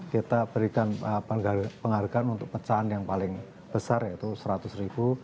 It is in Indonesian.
kita berikan penghargaan untuk pecahan yang paling besar yaitu seratus ribu